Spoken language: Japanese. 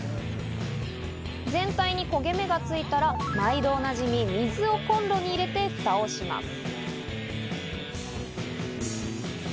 全体に焦げ目がついたら、毎度おなじみ、水をコンロに入れて蓋をします。